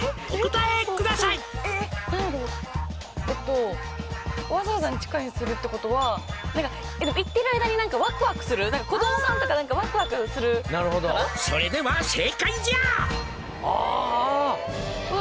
えっとわざわざ地下にするってことは行ってる間にワクワクする子どもさんとかワクワクする「それでは正解じゃ」